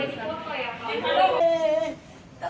kepala sekolah menangkap perempuan yang berusia dua puluh lima tahun